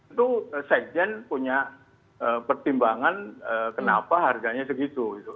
itu sekjen punya pertimbangan kenapa harganya segitu gitu